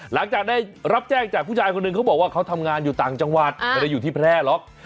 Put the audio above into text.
หลังจากได้รับแจ้งจากผู้ชายคนหนึ่งเขาบอกว่าเขาทำงานอยู่ต่างจังหวัดไม่ได้อยู่ที่แพร่หรอก